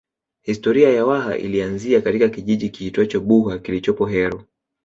Historia ya Waha ilianzia katika kijiji kiitwacho Buha kilichopo Heru